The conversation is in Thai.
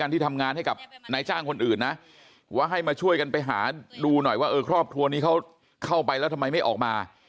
ที่ทำงานให้กับนายจ้างคนอื่นนะว่าให้มาช่วยกันไปหาดูหน่อยว่าเออครอบครัวนี้เขาเข้าไปแล้วทำไมไม่ออกมา